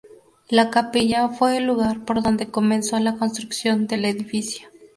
La capilla fue el lugar por donde comenzó la construcción del edificio.